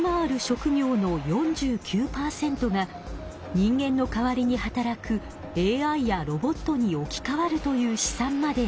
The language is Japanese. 人間の代わりに働くＡＩやロボットに置き換わるという試算まであるのです。